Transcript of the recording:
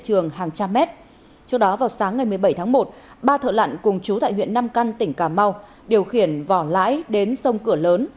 trước đó vào sáng ngày một mươi bảy tháng một ba thợ lặn cùng chú tại huyện nam căn tỉnh cà mau điều khiển vỏ lãi đến sông cửa lớn